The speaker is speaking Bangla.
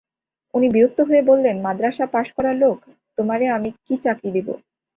উনি বিরক্ত হয়ে বললেন, মাদ্রাসা পাস-করা লোক, তোমারে আমি কী চাকরি দিব!